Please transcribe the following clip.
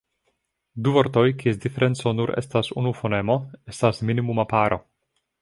Du vortoj kies diferenco nur estas unu fonemo estas minimuma paro.